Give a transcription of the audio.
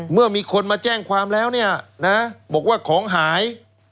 เมื่อมีคนมาแจ้งความแล้วเนี่ยนะบอกว่าของหาย